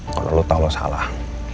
kalau lo tau lo salah